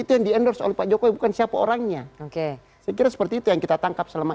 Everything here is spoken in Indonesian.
dengan dian watch jokowi buka bukan siapa orangnya oke sekiranya seperti itu yang kita tangkap selama